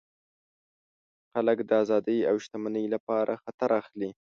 خلک د آزادۍ او شتمنۍ لپاره خطر اخلي.